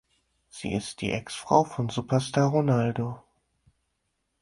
Sie ist die Ex-Frau von Superstar Ronaldo.